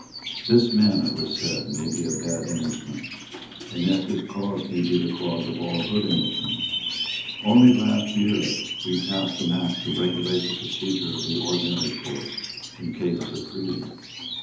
"This man," it was said, "may be a bad Englishman; and yet his cause may be the cause of all good Englishmen. Only last year we passed an Act to regulate the procedure of the ordinary courts in cases of treason.